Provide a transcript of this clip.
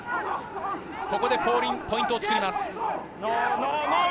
ここでポイントを作ります。